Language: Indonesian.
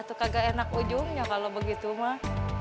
itu kagak enak ujungnya kalau begitu mah